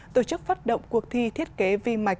tổ chức phát động cuộc thi thiết kế vi mạch